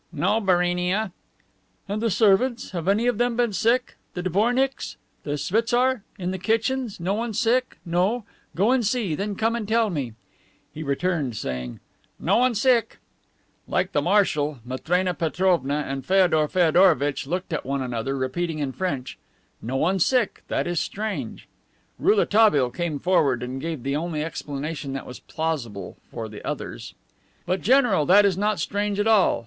"No, Barinia." "And the servants? Have any of them been sick? The dvornicks? The schwitzar? In the kitchens? No one sick? No? Go and see; then come and tell me." He returned, saying, "No one sick." Like the marshal, Matrena Petrovna and Feodor Feodorovitch looked at one another, repeating in French, "No one sick! That is strange!" Rouletabille came forward and gave the only explanation that was plausible for the others. "But, General, that is not strange at all.